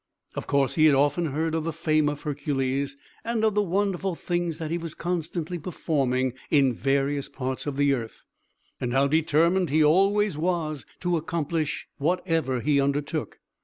Of course, he had often heard of the fame of Hercules, and of the wonderful things that he was constantly performing in various parts of the earth, and how determined he always was to accomplish whatever he undertook.